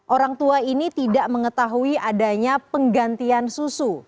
orang tua ini tidak mengetahui adanya penggantian susu